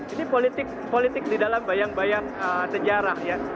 ini politik di dalam bayang bayang sejarah ya